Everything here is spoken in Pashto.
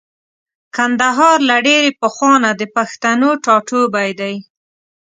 کندهار له ډېرې پخوانه د پښتنو ټاټوبی دی.